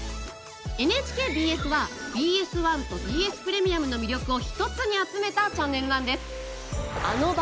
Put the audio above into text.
ＮＨＫＢＳはＢＳ１とＢＳプレミアムの魅力を一つに集めたチャンネルなんです。